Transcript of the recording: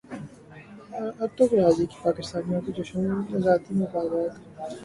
Ertugrul Ghazi کی پاکستانیوں کو جشن زادی کی مبارکباد